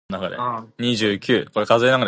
I suppose you were out on the tiles last night?